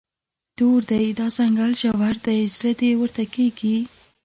تور دی، دا ځنګل ژور دی، زړه دې ورته کیږي